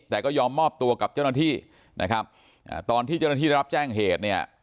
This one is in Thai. แต่ก็ยอมมอบตัวกับเจ้าหน้าที่นะครับอ่าตอนที่เจ้าหน้าที่ได้รับแจ้งเหตุเนี่ย